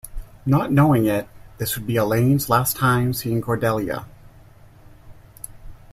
Not knowing it, this would be Elaine's last time seeing Cordelia.